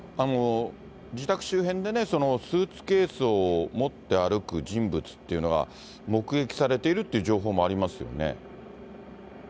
自宅周辺でね、スーツケースを持って歩く人物というのが目撃されているという情報もありますよね。